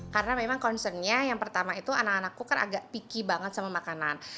karena memang concern nya yang pertama itu anak anakku kan agak picky banget sama makanan